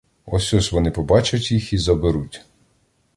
Ось-ось вони побачать їх і заберуть.